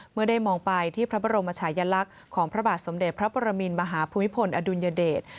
เมื่อได้มองไปที่พระบรมชายลักษณ์ของพระบาทสมเด็จพระปรมินมหาภูมิพลอดุลยเดช